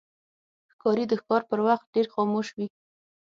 ښکاري د ښکار پر وخت ډېر خاموش وي.